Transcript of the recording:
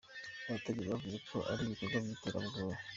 Abategetsi bavuze ko ari igikorwa cy'iterabwobwa.